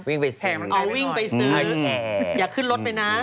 วิ่งไปซื้ออ๋อวิ่งไปซื้ออย่าขึ้นรถไปนะ